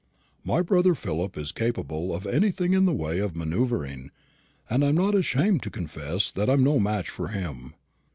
My brother Philip is capable of anything in the way of manoeuvring; and I'm not ashamed to confess that I'm no match for him.